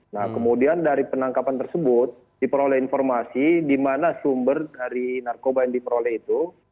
nah kemudian dari penangkapan tersebut diperoleh informasi di mana sumber dari narkoba yang diperoleh itu